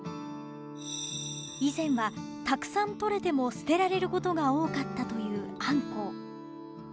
以前はたくさん取れても捨てられることが多かったというあんこう。